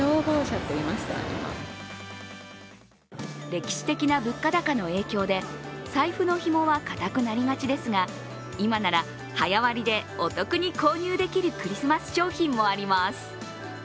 歴史的な物価高の影響で財布のひもは固くなりそうですが今なら早割りでお得に購入できるクリスマス商品もあります。